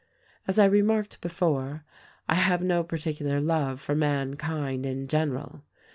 "As I remarked before, I have no particular love for mankind in general.